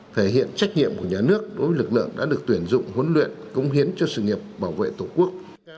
thể hiện trách nhiệm của nhà nước đối với lực lượng đã được tuyển dụng huấn luyện cống hiến cho sự nghiệp bảo vệ tổ quốc